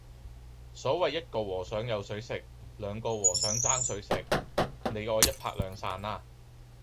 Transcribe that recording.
所謂一個和尚有水食，兩個和尚爭水食，你我一拍兩散啦